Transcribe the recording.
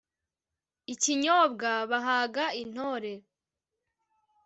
ikinyobwa bahaga intore